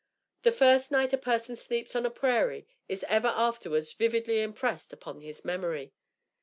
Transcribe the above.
The first night a person sleeps on a prairie is ever afterwards vividly impressed upon his memory.